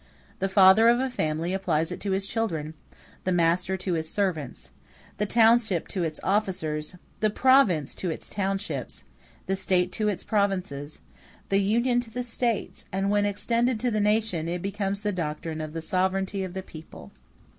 The father of a family applies it to his children; the master to his servants; the township to its officers; the province to its townships; the State to its provinces; the Union to the States; and when extended to the nation, it becomes the doctrine of the sovereignty of the people.